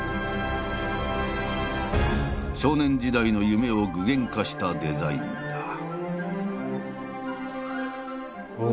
少年時代の夢を具現化したデザインだ。